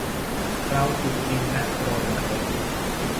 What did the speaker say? เราขุดดินและโปรยเมล็ด